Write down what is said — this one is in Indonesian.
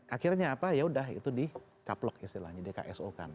akhirnya apa yaudah itu di caplok istilahnya di kso kan